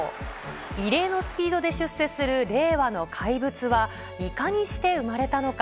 異例のスピードで出世する令和の怪物は、いかにして生まれたのか。